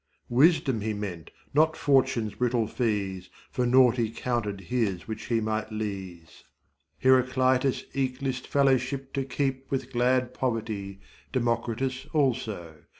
Wisdom he meant, not Fortune's brittle fees, For nought he counted his which he might leese.20 Heraclitus eke list fellowship to keep With glad poverty. Democritus also.